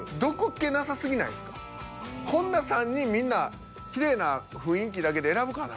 こんな３人みんなきれいな雰囲気だけで選ぶかなぁ？